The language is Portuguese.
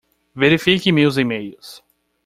Verifique meus emails.